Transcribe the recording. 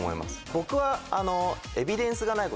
僕は。